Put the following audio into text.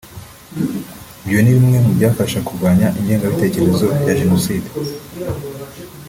ibyo ni bimwe mu byafasha kurwanya ingengabitekerezo ya Jenoside”